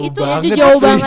itu jauh banget